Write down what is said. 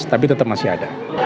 tapi tetap masih ada